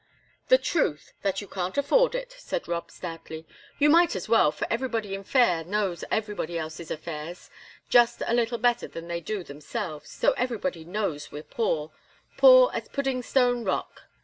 "The truth, that you can't afford it," said Rob, stoutly. "You might as well, for everybody in Fayre knows everybody else's affairs just a little better than they do themselves, so everybody knows we're poor poor as pudding stone rock.